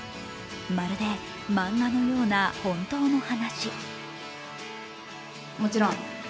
まるで、漫画のような本当の話。